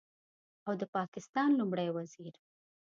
او د پاکستان لومړي وزیر